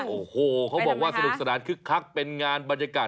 โอ้โหเขาบอกว่าสนุกสนานคึกคักเป็นงานบรรยากาศ